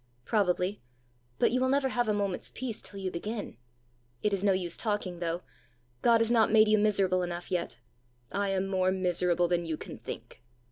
"Probably; but you will never have a moment's peace till you begin. It is no use talking though. God has not made you miserable enough yet." "I am more miserable than you can think."